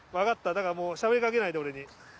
だからもうしゃべりかけないで俺に。